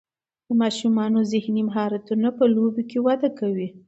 د ماشومانو ذهني مهارتونه په لوبو کې وده کوي.